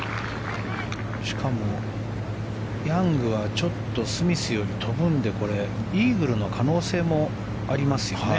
しかも、ヤングはちょっとスミスより飛ぶのでこれ、イーグルの可能性もありますよね。